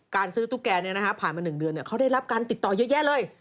การซื้อตุ๊กแกเนี่ยนะฮะผ่านมา๑เดือนเนี่ยเขาได้รับการติดต่อเยอะแยะเลย